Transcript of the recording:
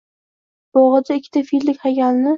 «Bog’ida ikkita fildek haykalni